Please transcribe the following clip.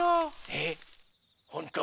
えっほんと？